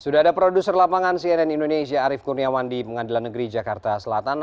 sudah ada produser lapangan cnn indonesia arief kurniawan di pengadilan negeri jakarta selatan